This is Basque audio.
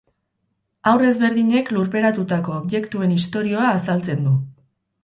Haur ezberdinek lurperatutako objektuen istorioa azaltzen du.